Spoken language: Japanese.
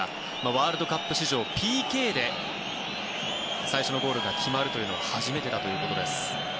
ワールドカップ史上、ＰＫで最初のゴールが決まるというのは初めてだということです。